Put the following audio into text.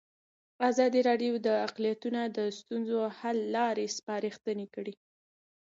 ازادي راډیو د اقلیتونه د ستونزو حل لارې سپارښتنې کړي.